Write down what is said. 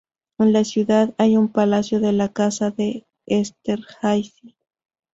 En la ciudad hay un palacio de la casa de Esterházy.